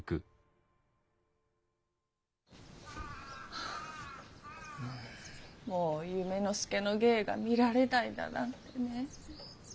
はあもう夢の助の芸が見られないだなんてねえ。